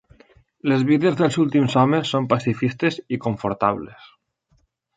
Les vides dels últims homes són pacifistes i confortables.